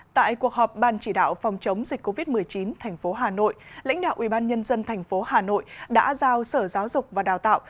tại cuộc họp ban chỉ đạo phòng chống dịch covid một mươi chín thành phố hà nội lãnh đạo ubnd tp hà nội đã giao sở giáo dục và đào tạo